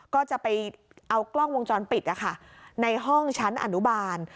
ก็จะไปเอากล้องวงจรปิดนะคะในห้องชั้นอนุบาล